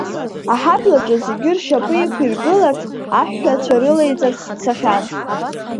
Аҳаблаҿы зегьы ршьапы иқәиргыларц аҳәҳәацәа рылеиҵарц дцахьан…